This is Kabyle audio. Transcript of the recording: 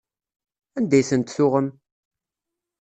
Anda ay tent-tuɣem?